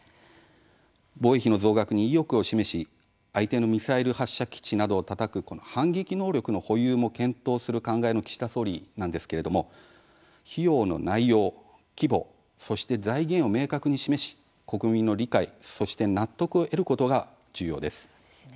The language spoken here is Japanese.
防衛費の増額に意欲を示し相手のミサイル発射基地などをたたく反撃能力の保有も検討する考えの岸田総理なんですけれども費用の内容、規模、そして財源を明確に示し、国民の理解そして納得を得ることが重要です。